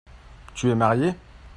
Tu es marié ?